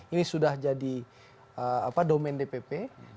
ini sudah jadi domen dpp